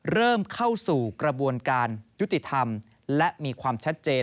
เริ่มเข้าสู่กระบวนการยุติธรรมและมีความชัดเจน